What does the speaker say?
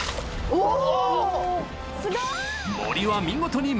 おぉ！